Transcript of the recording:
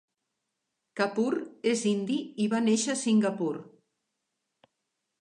Kapur és indi i va néixer a Singapur.